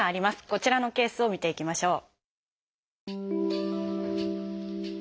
こちらのケースを見ていきましょう。